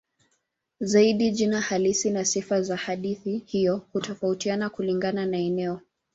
Zaidi jina halisi na sifa za hadithi hiyo hutofautiana kulingana na eneo.